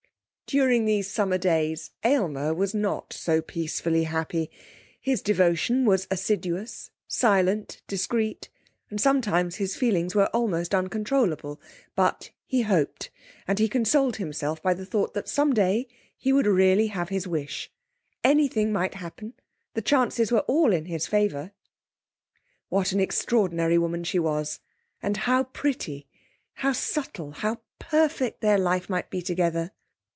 During these summer days Aylmer was not so peacefully happy. His devotion was assiduous, silent, discreet, and sometimes his feelings were almost uncontrollable, but he hoped; and he consoled himself by the thought that some day he would really have his wish anything might happen; the chances were all in his favour. What an extraordinary woman she was and how pretty how subtle; how perfect their life might be together....